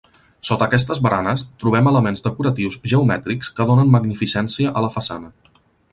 Sota aquestes baranes trobem elements decoratius geomètrics que donen magnificència a la façana.